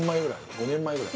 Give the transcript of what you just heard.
５年前ぐらい？